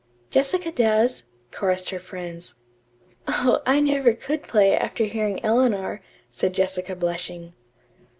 "Jessica does," chorused her friends. "Oh, I never could play, after hearing Eleanor," said Jessica blushing.